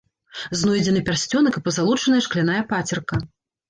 Знойдзены пярсцёнак і пазалочаная шкляная пацерка.